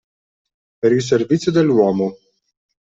Per il servizio dell'uomo